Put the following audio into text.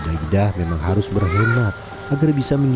dan kemudian dia juga sudah berusaha untuk membeli uang